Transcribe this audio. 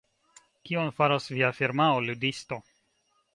Kion faras via firmao, Ludisto?